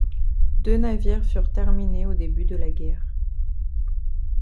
Deux navires furent terminés au début de la guerre.